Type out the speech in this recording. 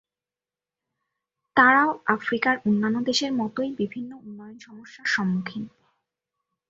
তারাও আফ্রিকার অন্যান্য দেশের মতই বিভিন্ন উন্নয়ন সমস্যার সম্মুখিন।